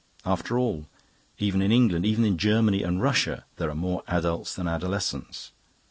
And after all, even in England, even in Germany and Russia, there are more adults than adolescents.